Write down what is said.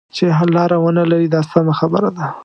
چې حل لاره ونه لري دا سمه خبره ده.